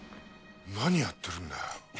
何やってるんだよ？